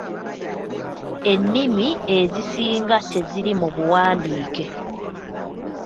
Ennimi ezisinga teziri mu buwandiike.